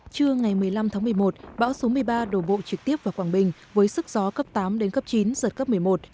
trưa ngày một mươi năm tháng một mươi một bão số một mươi ba đổ bộ trực tiếp vào quảng bình với sức gió cấp tám đến cấp chín giật cấp một mươi một